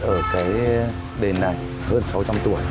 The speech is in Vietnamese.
ở cái đền này hơn sáu trăm linh tuổi